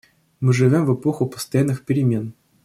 Мы живем в эпоху постоянных перемен.